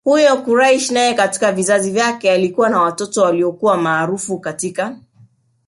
Huyu Quraysh naye katika vizazi vyake alikuwa na watoto waliyokuwa maaraufu katika